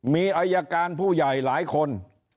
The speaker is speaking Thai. มีอายการผู้ใหญ่หลายคน